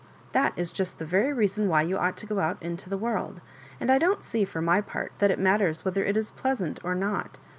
That is just the very reason why you ought to go out into the world ; und I don't see for my part» that it n^atters whetber it is pleasant or not.